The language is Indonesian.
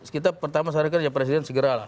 kita pertama saatnya kerja presiden segera lah